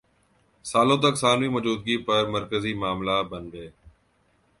سالوں تک ثانوی موجودگی پر مرکزی معاملہ بن گئے